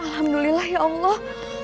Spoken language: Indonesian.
alhamdulillah ya allah